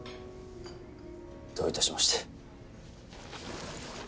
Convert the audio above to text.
どういたしまして。